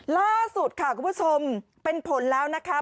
ล่าสุดค่ะคุณผู้ชมเป็นผลแล้วนะคะ